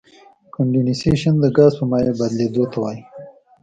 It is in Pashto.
کنډېنسیشن د ګاز په مایع بدلیدو ته وایي.